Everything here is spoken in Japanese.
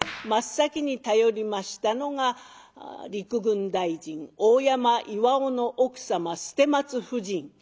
真っ先に頼りましたのが陸軍大臣大山巌の奥様捨松夫人。